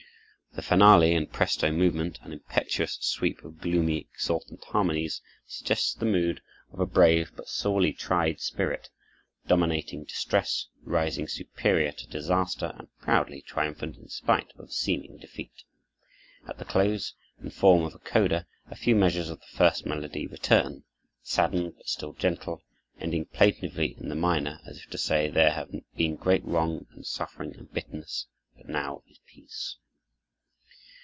The finale, in presto movement, an impetuous sweep of gloomy, exultant harmonies, suggests the mood of a brave but sorely tried spirit, dominating distress, rising superior to disaster, and proudly triumphant in spite of seeming defeat. At the close, in form of a coda, a few measures of the first melody return, saddened, but still gentle, ending plaintively in the minor, as if to say, "There have been great wrong and suffering and bitterness, but now is peace."